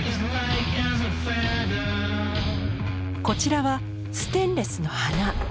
こちらはステンレスの花。